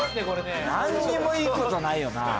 これね何にもいいことないよな